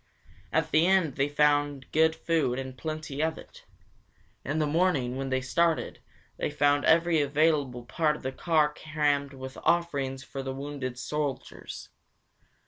At the inn they found good food and plenty of it. In the morning, when they started, they found every available part of the car crammed with offerings for the wounded soldiers.